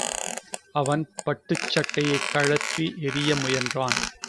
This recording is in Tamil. அவன் பட்டுச் சட்டையைக் கழற்றி எறியமுயன்றான்.